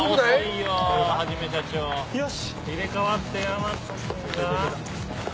よし！